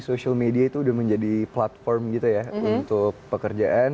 social media itu udah menjadi platform gitu ya untuk pekerjaan